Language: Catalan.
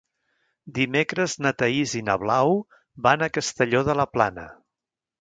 Dimecres na Thaís i na Blau van a Castelló de la Plana.